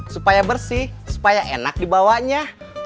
supaya bersih supaya enak dibawanya